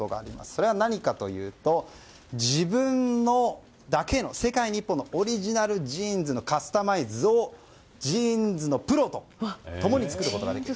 それは何かというと自分だけの世界に１本のオリジナルジーンズのカスタマイズをジーンズのプロと共に作ることができる。